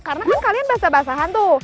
karena kan kalian basah basahan tuh